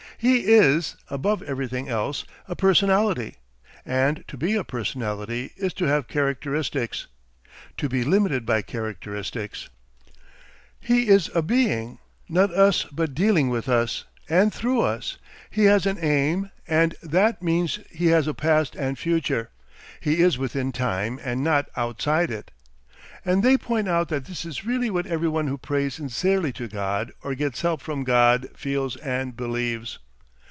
He is, above everything else, a personality, and to be a personality is to have characteristics, to be limited by characteristics; he is a Being, not us but dealing with us and through us, he has an aim and that means he has a past and future; he is within time and not outside it. And they point out that this is really what everyone who prays sincerely to God or gets help from God, feels and believes.